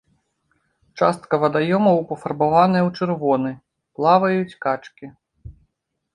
Частка вадаёмаў пафарбаваная ў чырвоны, плаваюць качкі.